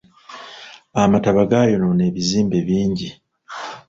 Amataba gaayonoona ebizimbe bingi.